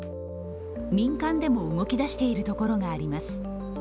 民間でも動き出しているところがあります。